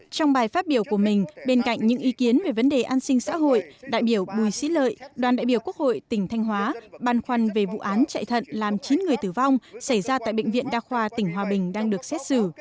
trong bài phát biểu của mình bên cạnh những ý kiến về vấn đề an sinh xã hội đại biểu bùi sĩ lợi đoàn đại biểu quốc hội tỉnh thanh hóa băn khoăn về vụ án chạy thận làm chín người tử vong xảy ra tại bệnh viện đa khoa tỉnh hòa bình đang được xét xử